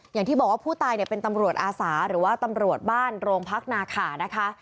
อย่างที่บอกว่าผู้ตายเนี่ยเป็นตำรวจอาสาหรือว่าตำรวจบ้านโรงพักนาขานะคะ